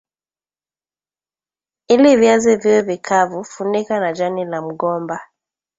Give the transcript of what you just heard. Ili viazi viwe vikavu funika na jani la mgomba